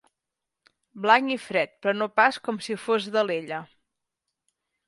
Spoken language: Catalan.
Blanc i fred, però no pas com si fos d'Alella.